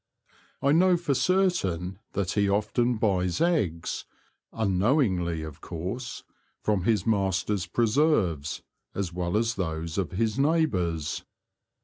I know for certain that he often buys eggs (unknowingly, of course) from his master's preserves as well as those of his neighbours.